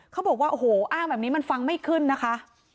เขาบอกว่าโอ้โหอ้างแบบนี้มันฟังไม่ขึ้นนะคะ